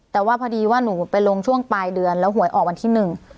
แต่ว่าพอดีว่าหนูไปลงช่วงปลายเดือนแล้วหวยออกวันที่หนึ่ง